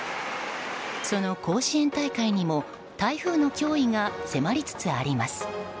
その甲子園大会にも台風の脅威が迫りつつあります。